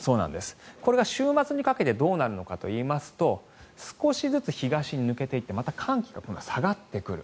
これが週末にかけてどうなるのかといいますと少しずつ東に抜けていってまた寒気が下がってくる。